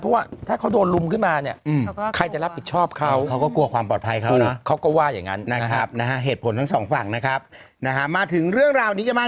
เพราะว่าถ้าเขาโดนลุมขึ้นมา